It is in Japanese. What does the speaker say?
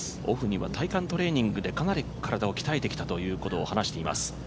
オフには体幹トレーニングで、かなり体を鍛えてきたといいます。